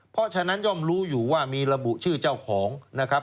เพราะฉะนั้นย่อมรู้อยู่ว่ามีระบุชื่อเจ้าของนะครับ